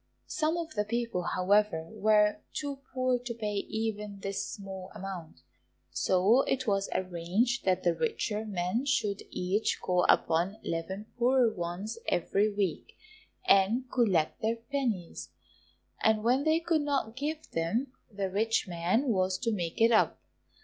Some of the people, however, were too poor to pay even this small amount, so it was arranged that the richer men should each call upon eleven poorer ones every week, and collect their pennies, and when they could not give them, the rich man was to make it up.